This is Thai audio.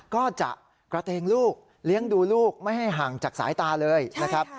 ก็จะกระเตงลูกเลี้ยงดูลูกไม่ให้ห่างจากสายตาเลยนะครับ